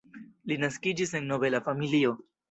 Li naskiĝis en nobela familio.